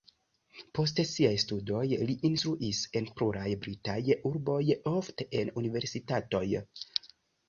Post siaj studoj li instruis en pluraj britaj urboj, ofte en universitatoj.